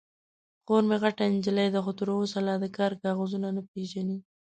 _خور مې غټه نجلۍ ده، خو تر اوسه لا د کار کاغذونه نه پېژني.